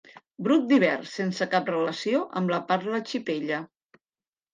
Bruc d'hivern sense cap relació amb la parla xipella.